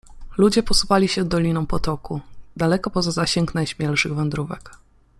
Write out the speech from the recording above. Ludzie posuwali się doliną potoku, daleko poza zasięg najśmielszych wędrówek